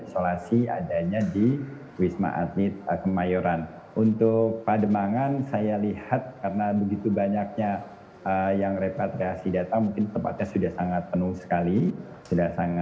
saya ke dr sumego